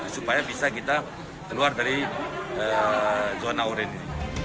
supaya bisa kita keluar dari zona oranye